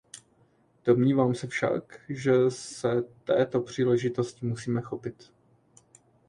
Domnívám se však, že se této příležitosti musíme chopit.